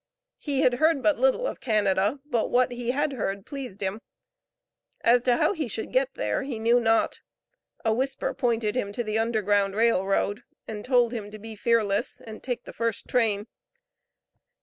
He had heard but little of Canada, but what he had heard pleased him. As to how he should get there, he knew not; a whisper pointed him to the Underground Rail Road, and told him to be fearless and take the first train.